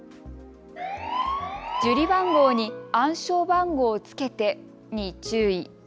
受理番号に暗証番号つけてに注意。